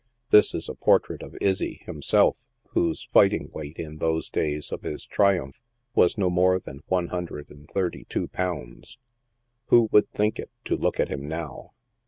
This is a portrait of Izzy, himself, whose fighting weight in those days of his triumph was no more than one hundred and thirty two pounds. Who would think it, to look at him now